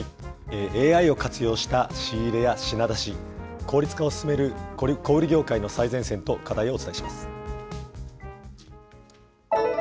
ＡＩを活用した仕入れや品出し、効率化を進める小売り業界の最前線と、課題をお伝えします。